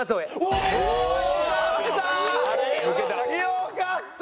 よかった！